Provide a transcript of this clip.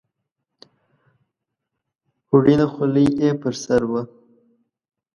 وړینه خولۍ یې پر سر وه.